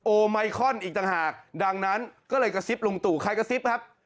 ไมคอนอีกต่างหากดังนั้นก็เลยกระซิบลุงตู่ใครกระซิบครับ